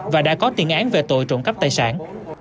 và đã có tiền án về tội trộm cắp tài sản